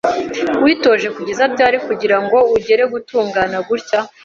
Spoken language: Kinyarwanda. Witoje kugeza ryari kugirango ugere gutungana gutya?